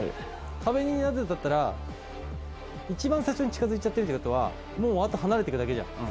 壁に、一番最初に近づいちゃってるってことは、もう、あと離れてくだけじゃん。